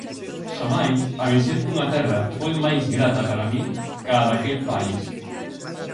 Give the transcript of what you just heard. Xamais a visión dunha terra foi máis grata para min ca a daquel país.